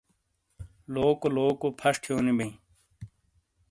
لوکو لوکو پھَش تھیونی بئیں۔